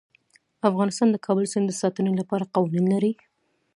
افغانستان د کابل سیند د ساتنې لپاره قوانین لري.